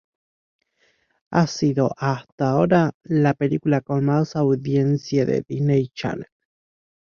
Ha sido, hasta ahora, la película con más audiencia de Disney Channel.